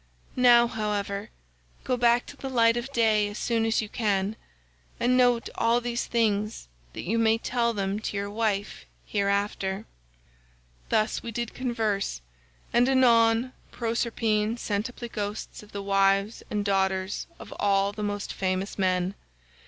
Now, however, go back to the light of day as soon as you can, and note all these things that you may tell them to your wife hereafter.' "Thus did we converse, and anon Proserpine sent up the ghosts of the wives and daughters of all the most famous men.